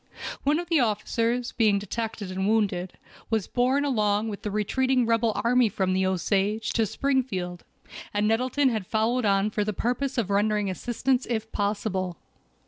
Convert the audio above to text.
One of the officers being detected and wounded, was borne along with the retreating rebel army from the Osage to Springfield, and Nettleton had followed on for the purpose of rendering assistance if possible.